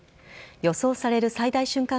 予想される最大瞬間